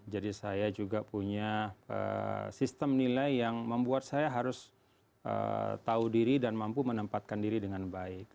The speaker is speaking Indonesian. jadi saya juga punya sistem nilai yang membuat saya harus tahu diri dan mampu menempatkan diri dengan baik